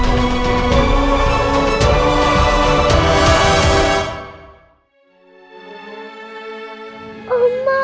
oma kenapa oma